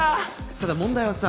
ただ問題はさ